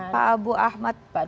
pak abu ahmad